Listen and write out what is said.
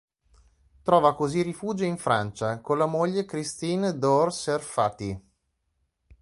Trova così rifugio in Francia, con la moglie Christine Daure-Serfaty.